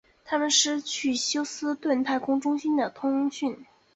他们失去与休斯顿太空中心的通讯。